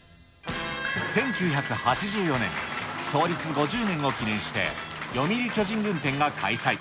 １９８４年、創立５０年を記念して、読売巨人軍展が開催。